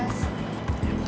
selamat malam mas